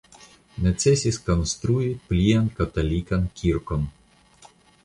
Necesis konstrui plian katolikan kirkon.